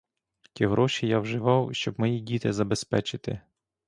Ті гроші я вживав щоб мої діти забезпечити.